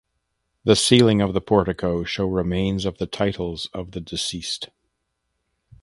The ceiling of the portico show remains of the titles of the deceased.